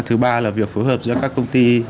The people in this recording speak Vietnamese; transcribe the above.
thứ ba là việc phối hợp giữa các công ty